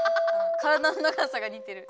体の長さがにてる。